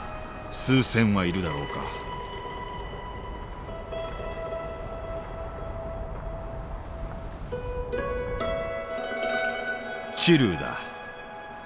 数千はいるだろうかチルーだ。